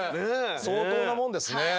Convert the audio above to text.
相当なもんですね。